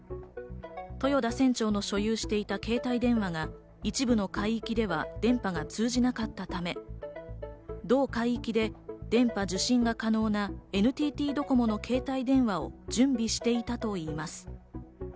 豊田船長の所有していた携帯電話が、一部の海域では電波が通じなかったため、同海域で電波受信が可能なＮＴＴドコモの携帯電話を準備していたといいます。